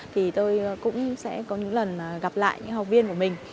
thì tôi cũng sẽ có những lần gặp lại những học viên của mình